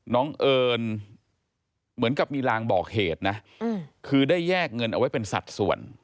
เอิญเหมือนกับมีลางบอกเหตุนะคือได้แยกเงินเอาไว้เป็นสัดส่วน